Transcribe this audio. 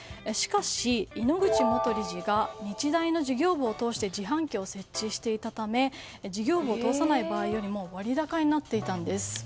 しかし、井ノ口元理事が日大の事業部を通して自販機を設置していたため事業部を通さない場合より割高になっていたんです。